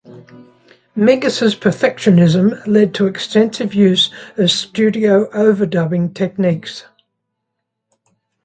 Mingus's perfectionism led to extensive use of studio overdubbing techniques.